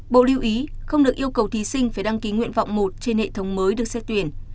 bộ lưu ý không được yêu cầu thí sinh phải đăng ký nguyện vọng một trên hệ thống mới được xét tuyển